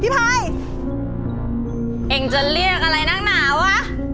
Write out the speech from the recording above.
พี่พายพี่พายเอ็งจะเรียกอะไรนั่งหนาวะ